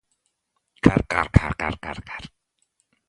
Karkarkarkarkar